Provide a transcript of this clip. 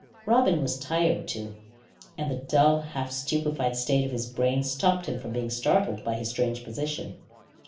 Robin was tired too, and the dull, half stupefied state of his brain stopped him from being startled by his strange position.